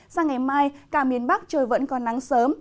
sang ngày mai cả miền bắc trời vẫn còn nắng sớm